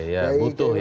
ya butuh ya